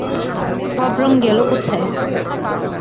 সব রঙ গেল কোথায়?